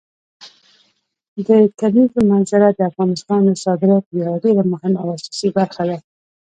د کلیزو منظره د افغانستان د صادراتو یوه ډېره مهمه او اساسي برخه ده.